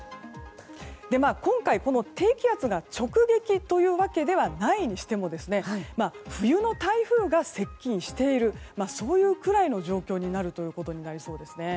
今回、この低気圧が直撃というわけではないにしても冬の台風が接近しているそういうくらいの状況になるということになりそうですね。